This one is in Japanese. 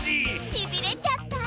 しびれちゃった！